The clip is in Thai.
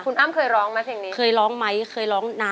คุณอ้ำเคยร้องไหมเส้งนี้